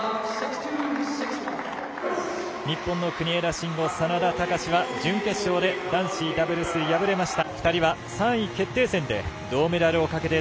日本の国枝慎吾、眞田卓は準決勝で男子ダブルス敗れました。